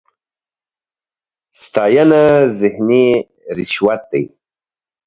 ستاېنه ذهني رشوت دی.